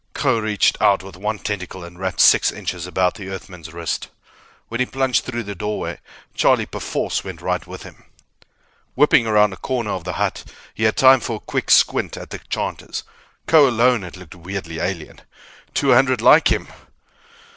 Kho reached out with one tentacle and wrapped six inches about the Earthman's wrist. When he plunged through the doorway, Charlie perforce went right with him. Whipping around a corner of the hut, he had time for a quick squint at the chanters. Kho alone had looked weirdly alien. Two hundred like him